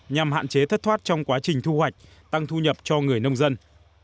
nhằm hạn chế thất thoát trong quá trình thu hoạch tăng thu nhập cho người nông dân